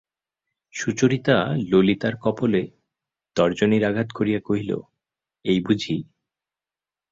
সুচরিতা ললিতার কপোলে তর্জনীর আঘাত করিয়া কহিল, এই বুঝি!